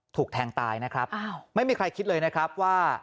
ถูกแทงตายนะครับไม่มีใครคิดเลยนะครับว่า